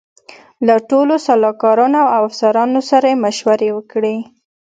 له ټولو سلاکارانو او افسرانو سره یې مشورې وکړې.